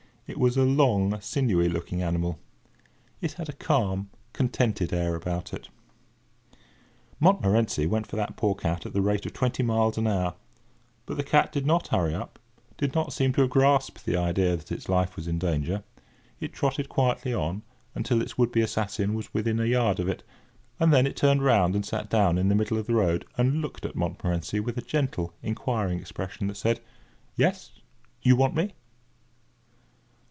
It was a long, sinewy looking animal. It had a calm, contented air about it. Montmorency went for that poor cat at the rate of twenty miles an hour; but the cat did not hurry up—did not seem to have grasped the idea that its life was in danger. It trotted quietly on until its would be assassin was within a yard of it, and then it turned round and sat down in the middle of the road, and looked at Montmorency with a gentle, inquiring expression, that said: "Yes! You want me?"